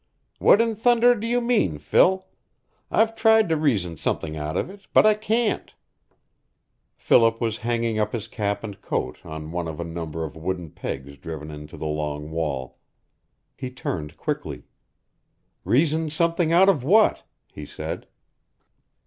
"What in thunder do you mean, Phil? I've tried to reason something out of it, but I can't!" Philip was hanging up his cap and coat on one of a number of wooden pegs driven into the long wall. He turned quickly. "Reason something out of what?" he said.